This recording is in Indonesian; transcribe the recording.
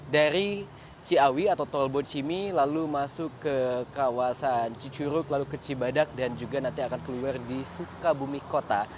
dari ciawi atau tol bocimi lalu masuk ke kawasan cicuruk lalu ke cibadak dan juga nanti akan keluar di sukabumi kota